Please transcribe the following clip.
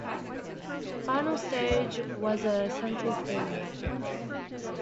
Final stage was a central tournament.